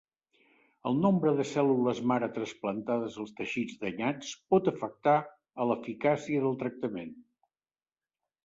El nombre de cèl·lules mare trasplantades als teixits danyats pot afectar a l'eficàcia del tractament.